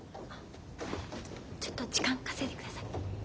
ちょっと時間稼いでください。